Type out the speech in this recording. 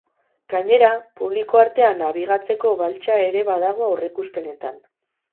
Gainera, publiko artean nabigatzeko baltsa ere badago aurreikuspenetan.